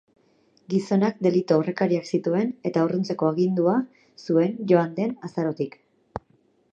Gizonak delitu-aurrekariak zituen eta urruntzeko agindua zuen joan den azarotik.